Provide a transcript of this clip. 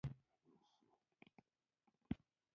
ضرورت انسان د انتخاب د عذاب څخه ژغوري.